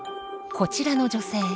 こちらの女性。